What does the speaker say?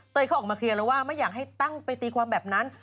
เขาออกมาเคลียร์แล้วว่าไม่อยากให้ตั้งไปตีความแบบนั้น